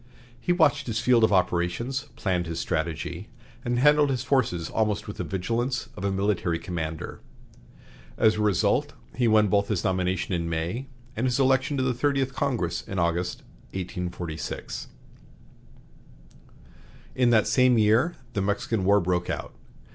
He watched his field of operations, planned his strategy, and handled his forces almost with the vigilance of a military commander. As a result, he won both his nomination in May and his election to the Thirtieth Congress in August, 1846. In that same year the Mexican War broke out.